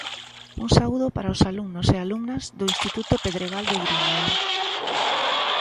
Un saúdo para os alumnos e alumnas do Instituto Pedregal de Irimia.